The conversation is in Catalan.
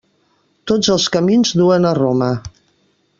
Tots els camins duen a Roma.